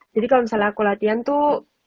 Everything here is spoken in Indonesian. jadi kalau misalnya aku latihan tuh